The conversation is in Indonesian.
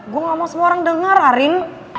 gue gak mau semua orang denger arin